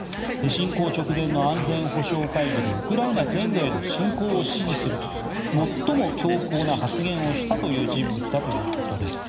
侵攻直前の安全保障会議でウクライナ全土への侵攻を支持するという最も強硬な発言をしたという人物です。